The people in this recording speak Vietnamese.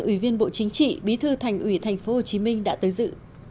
ủy viên bộ chính trị bí thư thành ủy tp hcm đã tới dự